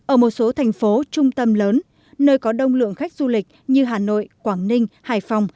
ở một số thành phố trung tâm lớn nơi có đông lượng khách du lịch như hà nội quảng ninh hải phòng